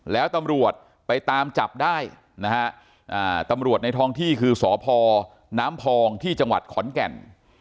แล้วตำรวจไปตามจับได้นะฮะตำรวจในท้องที่คือสพน้ำพองที่จังหวัดขอนแก่น